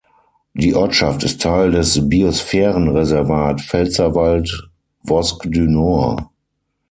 Die Ortschaft ist Teil des Biosphärenreservat Pfälzerwald-Vosges du Nord.